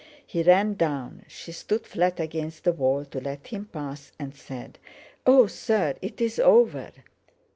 He ran down. She stood flat against the wall to let him pass, and said: "Oh, Sir! it's over."